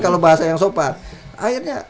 kalau bahasa yang sopan akhirnya